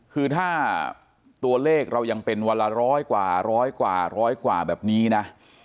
คือถ้าตัวเลขเรายังเป็นวันละร้อยกว่าร้อยกว่าร้อยกว่าแบบนี้นะ